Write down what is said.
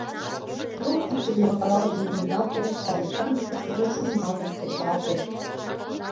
Трук кидше нӧлталалтын вийналте, Саликан ӱпышкыжӧ шуйналтын кержалте.